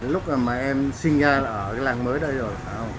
lúc mà em sinh ra là ở cái làng mới đó rồi phải không